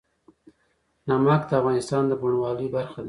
نمک د افغانستان د بڼوالۍ برخه ده.